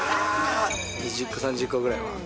２０個、３０個ぐらいは。